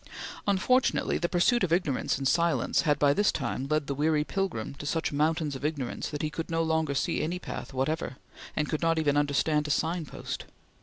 Unfortunately the pursuit of ignorance in silence had, by this time, led the weary pilgrim into such mountains of ignorance that he could no longer see any path whatever, and could not even understand a signpost.